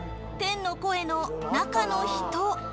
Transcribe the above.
天の声の中の人。